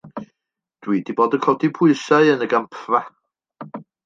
Dw i 'di bod yn codi pwysau yn y gampfa.